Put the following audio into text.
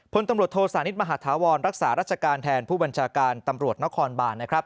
พลตำรวจโทษานิทมหาธาวรรักษาราชการแทนผู้บัญชาการตำรวจนครบานนะครับ